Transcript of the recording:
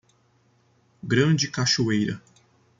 Grande cachoeira